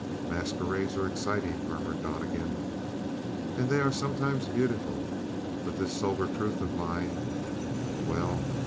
"Masquerades are exciting," murmured Donnegan. "And they are sometimes beautiful." "But this sober truth of mine " "Well?"